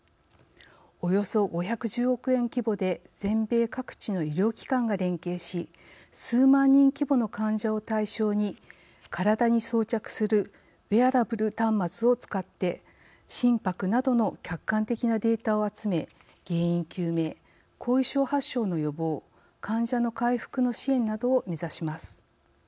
およそ５１０億円規模で全米各地の医療機関が連携し数万人規模の患者を対象に体に装着するウェアラブル端末を使って心拍などの客観的なデータを集め原因究明、後遺症発症の予防患者の回復の支援などを目指します。